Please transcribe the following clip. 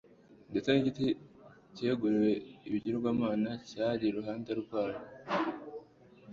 ndetse n'igiti cyeguriwe ibigirwamana cyari iruhande rwarwo